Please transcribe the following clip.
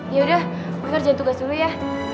yaudah gue ngerjain tugas dulu ya